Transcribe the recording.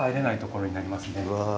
うわ。